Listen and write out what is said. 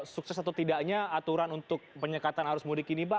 sukses atau tidaknya aturan untuk penyekatan arus mudik ini pak